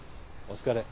お疲れ。